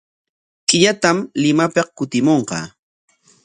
Killatam Limapik kutimunqa.